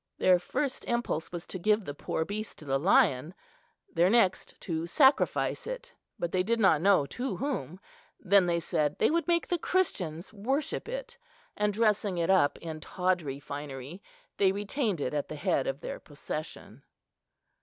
Their first impulse was to give the poor beast to the lion, their next to sacrifice it, but they did not know to whom. Then they said they would make the Christians worship it; and dressing it up in tawdry finery, they retained it at the head of their procession.